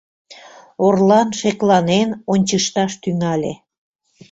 Орлан шекланен ончышташ тӱҥале.